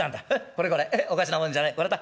これこれおかしなもんじゃないこれだえ。